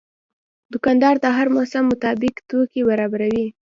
دوکاندار د هر موسم مطابق توکي برابروي.